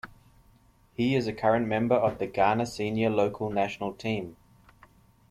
He is a current Member of the Ghana Senior Local National Team.